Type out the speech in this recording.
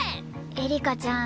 エリカちゃん